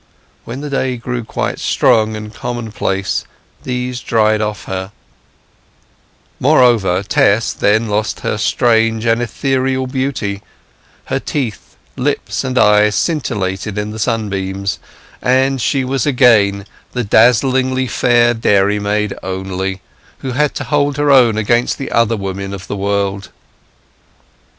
When the day grew quite strong and commonplace these dried off her; moreover, Tess then lost her strange and ethereal beauty; her teeth, lips, and eyes scintillated in the sunbeams and she was again the dazzlingly fair dairymaid only, who had to hold her own against the other women of the world.